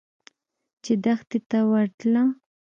چې دښتې ته وتله.